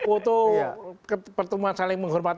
untuk pertemuan saling menghormat